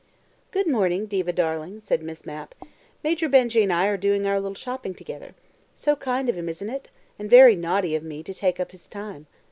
"Good morning, Diva darling," said Miss Mapp. "Major Benjy and I are doing our little shopping together. So kind of him, isn't it? and very naughty of me to take up his time.